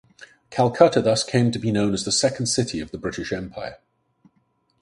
Calcutta thus came to be known as the second city of the British Empire.